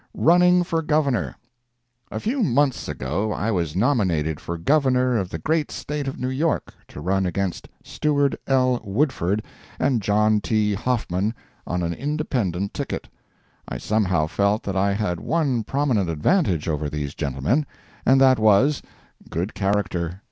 RUNNING FOR GOVERNOR. A few months ago I was nominated for Governor of the great State of New York, to run against Stewart L. Woodford and John T. Hoffman, on an independent ticket. I somehow felt that I had one prominent advantage over these gentlemen, and that was, good character.